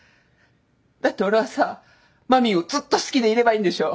だって俺はさまみんをずっと好きでいればいいんでしょ？